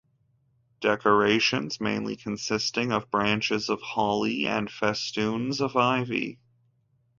Decorations mainly consisting of branches of holly and festoons of ivy.